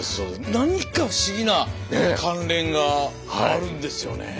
何か不思議な関連があるんですよね。